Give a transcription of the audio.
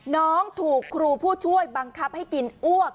น้องถูกครูผู้ช่วยบังคับให้กินอ้วก